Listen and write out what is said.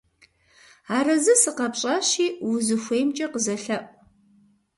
Арэзы сыкъэпщӀащи, узыхуеймкӀэ къызэлъэӀу.